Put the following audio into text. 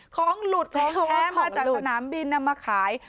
ของหลุดของแท้มาจากสนามบินนำมาขาย